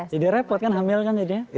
jadi repot kan hamil kan jadinya